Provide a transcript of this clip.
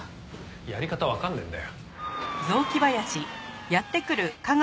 やり方わかんねえんだよ。